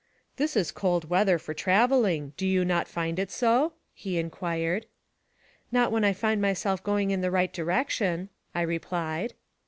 "This is cold weather for traveling. Do you not find it so?" he inquired. " Not when I find myself going in the right direc tion," I replied.